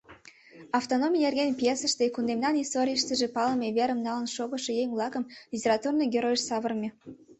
Автономий нерген пьесыште кундемнан историйыштыже палыме верым налын шогышо еҥ-влакым литературный геройыш савырыме.